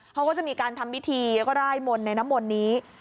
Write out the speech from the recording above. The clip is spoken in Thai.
เขาก็จะมีการทำพิธีแล้วก็ร่ายมนต์ในน้ำมนต์นี้